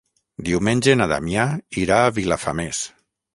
Diumenge na Damià irà a Vilafamés.